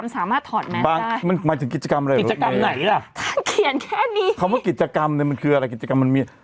ศรีเล่าให้ชั้นฟังเมื่อก่อน